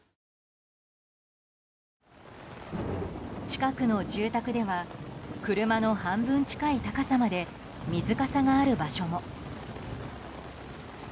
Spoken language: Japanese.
近くの住宅では車の半分近くの高さまで水かさがある場所も。